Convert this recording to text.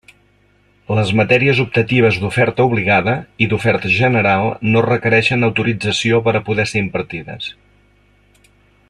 Les matèries optatives d'oferta obligada i d'oferta general no requerixen autorització per a poder ser impartides.